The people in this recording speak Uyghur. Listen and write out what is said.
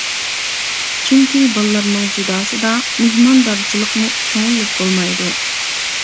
چۈنكى بالىلارنىڭ جوداسىدا مېھماندارچىلىقمۇ كۆڭۈللۈك بولمايدۇ.